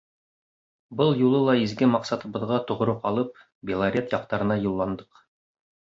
Был юлы ла изге маҡсатыбыҙға тоғро ҡалып, Белорет яҡтарына юлландыҡ.